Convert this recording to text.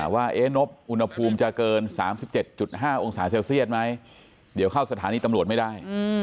ว่านบอุณหภูมิจะเกิน๓๗๕องศาเซลเซียตไหมเดี๋ยวเข้าสถานีตำรวจไม่ได้